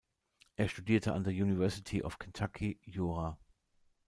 Er studierte an der University of Kentucky Jura.